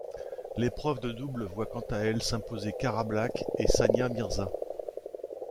L'épreuve de double voit quant à elle s'imposer Cara Black et Sania Mirza.